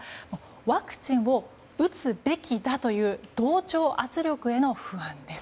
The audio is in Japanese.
ワクチンを打つべきだという同調圧力への不安です。